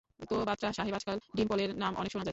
তো বাতরা সাহেব, আজকাল ডিম্পলের নাম অনেক শোনা যাচ্ছে।